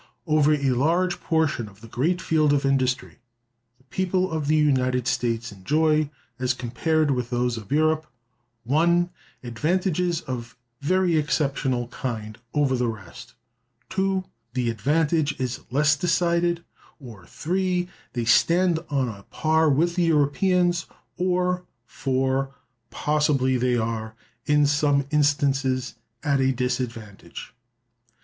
Over a large portion of the great field of industry the people of the United States enjoy, as compared with those of Europe, (1) advantages of a very exceptional kind; over the rest (2) the advantage is less decided, or (3) they stand on a par with Europeans, or (4) possibly they are, in some instances, at a disadvantage.